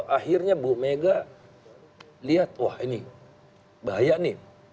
akhirnya bu mega lihat wah ini bahaya nih